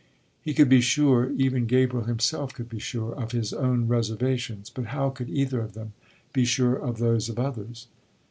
He could be sure, even Gabriel himself could be sure, of his own reservations, but how could either of them be sure of those of others?